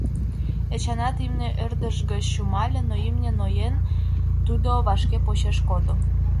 Эчанат имне ӧрдыж гыч чумале, но имне ноен, тудо вашке почеш кодо.